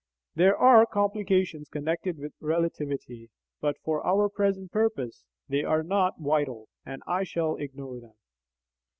There are complications connected with relativity, but for our present purpose they are not vital, and I shall ignore them.